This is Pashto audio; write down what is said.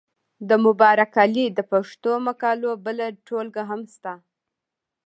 د مبارک علي د پښتو مقالو بله ټولګه هم شته.